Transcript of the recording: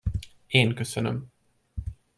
Én köszönöm.